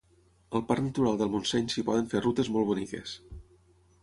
Al parc natural del Montseny s'hi poden fer rutes molt boniques